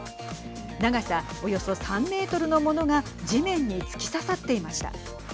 長さ、およそ３メートルのものが地面に突き刺さっていました。